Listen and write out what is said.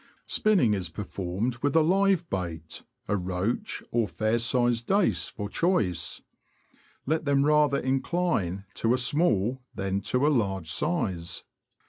Spinning is performed with a live bait, a roach or fair sized dace for choice ; let them rather incline to 294 THE LAND OF THE BROADS. a small than to a large size.